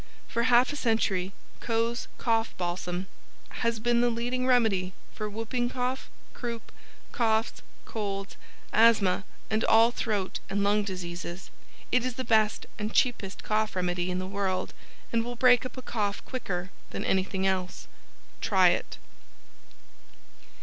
] FOR HALF A CENTURY COE'S COUGH BALSAM Has been the leading remedy for Whooping Cough, Croup, Coughs, Colds, Asthma and all Throat and Lung Diseases. It is the best and cheapest Cough Remedy in the world and will break up a Cough quicker than anything else. Try it.